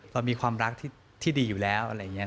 เรามีความรักที่ดีอยู่แล้วอะไรอย่างนี้